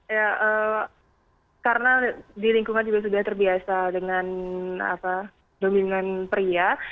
ya karena di lingkungan juga sudah terbiasa dengan dominan pria